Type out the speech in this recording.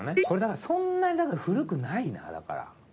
これだからそんなに古くないなだから。